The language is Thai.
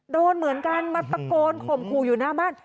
โดนเหมือนกันมัดประโกนขมครูอยู่หน้าบ้าน